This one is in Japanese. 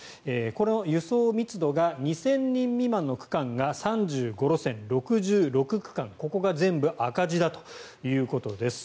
この輸送密度が２０００人未満の区間が３５路線６６区間、ここが全部赤字だということです。